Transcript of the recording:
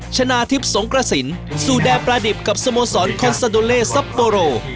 ชนะทิพย์สงกระสินสู่แดนประดิบกับสโมสรคอนซาโดเลซัปโปโร